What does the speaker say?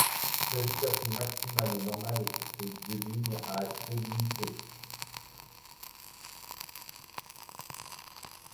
La vitesse maximale normale est de sur des lignes à accès limité.